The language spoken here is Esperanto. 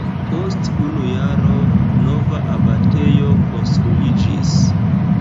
Post unu jaro nova abatejo konstruiĝis.